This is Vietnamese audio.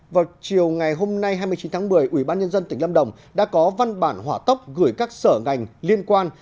vào chiều ngày hôm nay hai mươi chín tháng một mươi ubnd tỉnh lâm đồng đã có văn bản hỏa tốc gửi các sở ngành liên quan